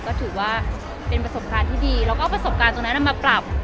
ก็ถือว่าเป็นประสบการณ์ที่ดีแล้วก็เอาประสบการณ์ตรงนั้นมาปรับ